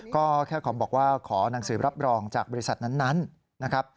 ก็แค่ขอบอกว่าขอหนังสือรับรองจากบริษัทนั้นนะครับ